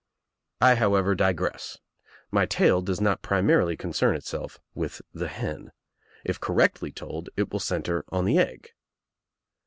'— I, however, digress. My tale does not primarily con cern itself with the hen. If correctly told it will centre on the egg.